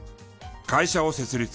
会社を設立。